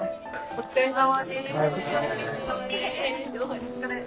お疲れさまです。